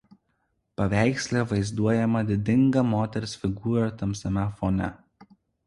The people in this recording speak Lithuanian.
Paveiksle vaizduojama didinga moters figūra tamsiame fone.